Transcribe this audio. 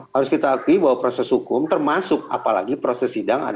harus kita akui bahwa proses hukum termasuk apalagi proses sidang adalah